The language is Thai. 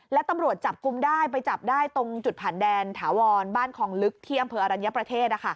และตำรวจจับกลุ่มได้ไปจับได้ตรงจุดผ่านแดนถาวรบ้านคลองลึกที่อำเภออรัญญประเทศ